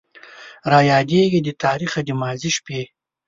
رايادېږي دې تاريخه د ماضي شپې